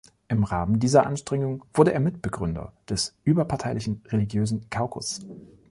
Im Rahmen dieser Anstrengung wurde er Mitbegründer des überparteilichen religiösen Caucus.